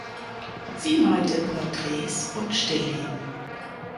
Sie malte Porträts und Stillleben.